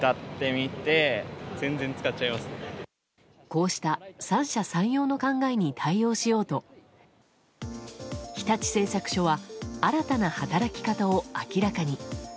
こうした三者三様の考えに対応しようと日立製作所は新たな働き方を明らかに。